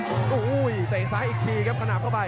โอ้โหเตรียมทรายอีกทีครับกระหนับเข้าไป